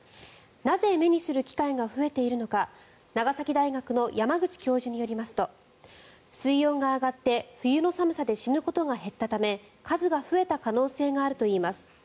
なぜ目にする機会が増えているのか長崎大学の山口教授によりますと水温が上がって冬の寒さで死ぬことが減ったため数が増えた可能性があるといいます。